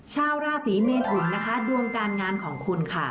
ชาวราศีเมทุนนะคะดวงการงานของคุณค่ะ